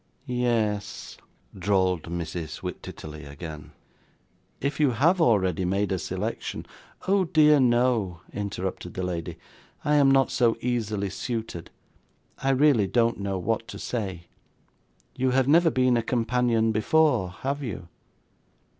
'Yes,' drawled Mrs. Wititterly again. 'If you have already made a selection ' 'Oh dear no,' interrupted the lady, 'I am not so easily suited. I really don't know what to say. You have never been a companion before, have you?